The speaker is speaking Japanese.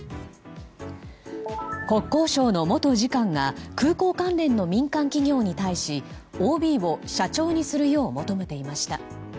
国交省の元次官が空港関連の民間企業に対しＯＢを社長にするよう求めていました。